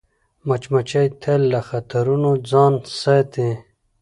مچمچۍ تل له خطرونو ځان ساتي